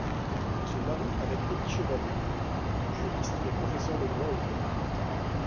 Elle se marie avec Élie Chevalley, juriste et professeur de droit au Caire.